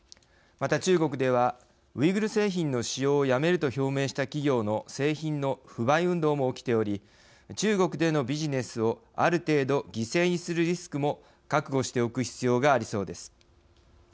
また、中国ではウイグル製品の使用をやめると表明した企業の製品の不買運動も起きており中国でのビジネスをある程度、犠牲にするリスクも覚悟しておく必要がありそうです。